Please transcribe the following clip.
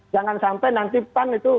jangan sampai nanti pan itu